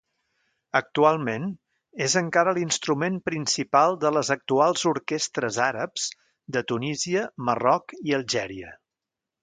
Actualment, és encara l'instrument principal de les actuals orquestres àrabs de Tunísia, Marroc i Algèria.